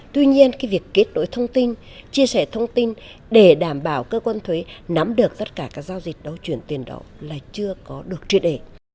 tuy nhiên việc kết nối thông tin chia sẻ thông tin để đảm bảo cơ quan thuế nắm được tất cả các giao dịch đấu chuyển tiền đó là chưa có được truyền đề